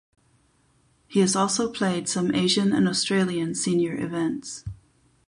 He has also played some Asian and Australian senior events.